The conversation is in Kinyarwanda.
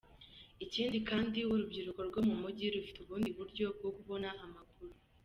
Ikindi kandi urubyiruko rwo mu mujyi rufite ubundi buryo bwo kubona amakuru.